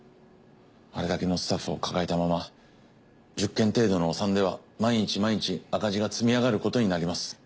あれだけのスタッフを抱えたまま１０件程度のお産では毎日毎日赤字が積み上がることになります。